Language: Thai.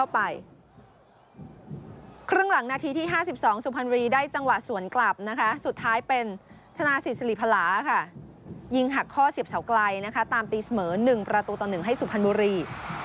ครึ่งหลังนาทีที่๕๒สุพรรณบุรีได้จังหวะสวนกลับนะคะสุดท้ายเป็นธนาศิษริพลาค่ะยิงหักข้อเสียบเสาไกลนะคะตามตีเสมอ๑ประตูต่อ๑ให้สุพรรณบุรี